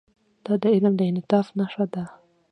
دا د علم د انعطاف نښه ده.